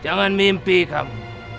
jangan mimpi kamu